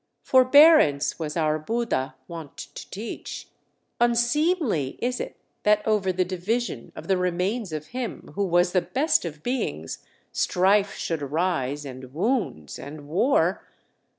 Forbearance was our Buddha wont to teach. Unseemly is it that over the division Of the remains of him who was the best of beings Strife should arise, and wounds, and war!